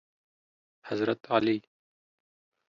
حضرت علی